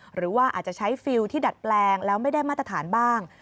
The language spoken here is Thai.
หรือว่าอาจจะใช้ฟิลล์ที่ดัดแปลงแล้วไม่ได้มาตรฐานบ้าง